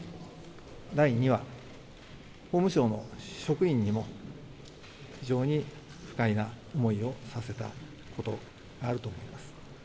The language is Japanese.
第２は、法務省の職員にも、非常に不快な思いをさせたことがあると思います。